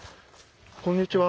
こんにちは。